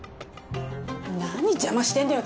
何邪魔してんのよ